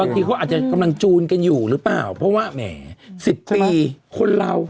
ทีเขาอาจจะกำลังจูนกันอยู่หรือเปล่าเพราะว่าแหม๑๐ปีคนเรา